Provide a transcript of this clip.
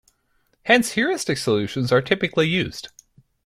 Hence heuristic solutions are typically used.